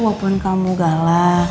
walaupun kamu galak